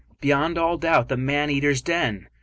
Beyond all doubt, the man eaters' den!